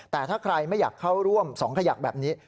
แต่ถ้าใครไม่อยากเข้าร่วม๒ขยักแบบนี้